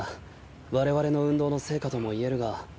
我々の運動の成果とも言えるが。